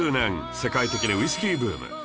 世界的にウイスキーブーム